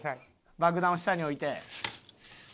爆弾を下に置いて。